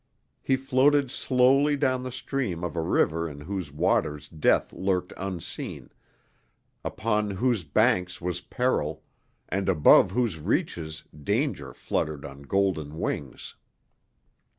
He floated slowly down the stream of a river in whose waters death lurked unseen, upon whose banks was peril, and above whose reaches danger fluttered on golden wings.